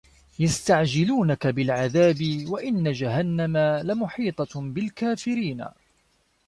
يَستَعجِلونَكَ بِالعَذابِ وَإِنَّ جَهَنَّمَ لَمُحيطَةٌ بِالكافِرينَ